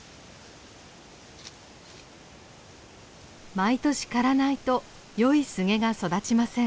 毎年刈らないとよいスゲが育ちません。